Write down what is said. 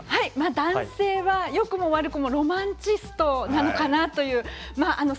男性は、よくも悪くもロマンチストなのかなと思います。